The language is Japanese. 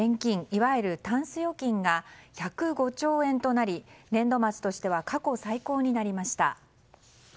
いわゆるタンス預金が１０５兆円となり年度末としては過去最高になりました。